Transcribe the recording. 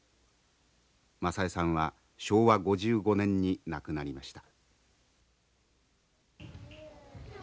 雅枝さんは昭和５５年に亡くなりました。